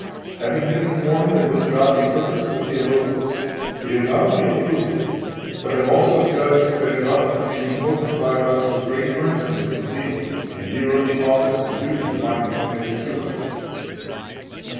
11 Having been informed of this godly purpose of the theologians, we have not only approved it, but have also judged that it ought to be promoted by us with great earnestness and zeal, in view of the office and duty divinely committed to us.